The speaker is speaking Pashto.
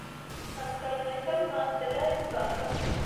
ان اکرمکم عندالله اتقاکم